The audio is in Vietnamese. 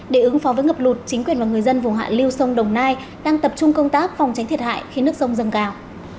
để ứng phó với ngập lụt chính quyền và người dân vùng hạ liêu sông đồng nai đang tập trung công tác phòng tránh thiệt hại khiến nước sông dâng cao